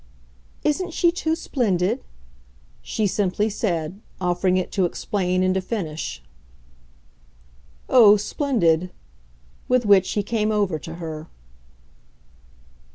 "Isn't she too splendid?" she simply said, offering it to explain and to finish. "Oh, splendid!" With which he came over to her.